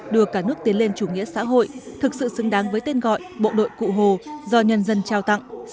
đưa cả nước tiến lên chủ nghĩa xã hội thực sự xứng đáng với tên gọi bộ đội cụ hồ do nhân dân trao tặng